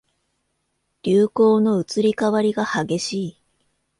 流行の移り変わりが激しい